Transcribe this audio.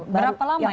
berapa lama itu